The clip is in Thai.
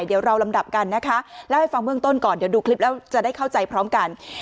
เดี๋ยวเราลำดับกันนะคะเล่าให้ฟังเบื้องต้นก่อนเดี๋ยวดูคลิปแล้วจะได้เข้าใจพร้อมกัน